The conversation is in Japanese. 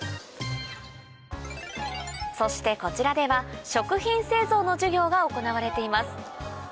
そしてこちらではの授業が行われています